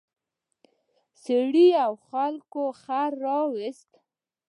سړي او خلکو خر راوویست.